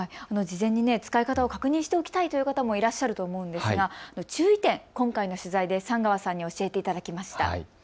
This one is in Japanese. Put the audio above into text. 事前に使い方を確認しておきたいという方もいらっしゃると思うんですが注意点、今回の取材で寒川さんに教えていただきました。